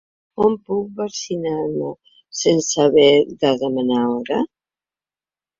On puc vaccinar-me sense haver de demanar hora?